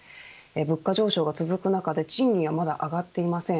物価上昇が続く中で賃金は、まだ上がっていません。